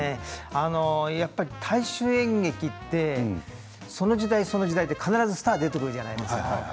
やっぱり大衆演劇ってその時代その時代で必ずスターが出てくるじゃないですか。